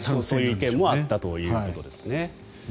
そういう意見もあったということですね。